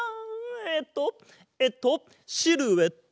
えっとえっとシルエット！